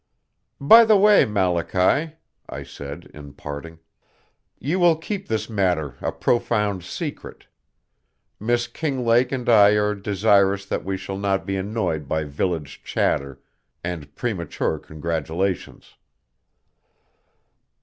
"By the way, Malachy," I said in parting, "you will keep this matter a profound secret. Miss Kinglake and I are desirous that we shall not be annoyed by village chatter and premature congratulations."